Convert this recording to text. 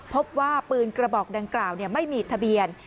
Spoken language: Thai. พบว่าปืนกระบอกดังกล่าวไม่มีทะเบียน